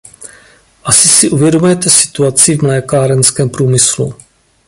Asi si uvědomujete situaci v mlékárenském průmyslu.